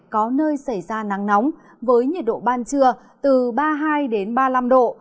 có nơi xảy ra nắng nóng với nhiệt độ ban trưa từ ba mươi hai ba mươi năm độ